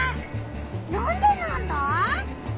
なんでなんだ？